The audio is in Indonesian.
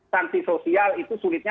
sanksi sosial itu sulitnya